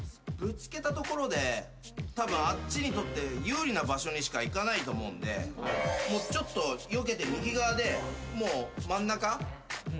ぶつけたところでたぶんあっちにとって有利な場所にしか行かないと思うんでちょっとよけて右側で真ん中。